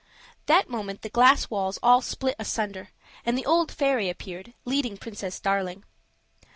That moment the glass walls all split asunder, and the old fairy appeared, leading Princess Darling.